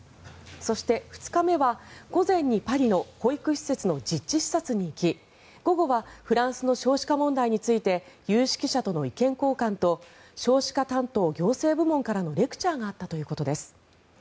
そして、２日目は午前にパリの保育施設の実地視察に行き午後はフランスの少子化問題について有識者との意見交換と少子化担当行政部門からのレクチャーがあったということです。